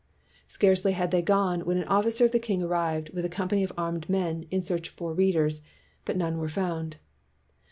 Scarcely had they gone, when an officer of the king arrived with a company of armed men in search for "readers," but none were found.